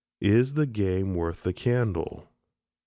Is the game worth the candle?